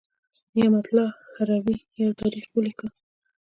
نعمت الله هروي یو تاریخ ولیکه.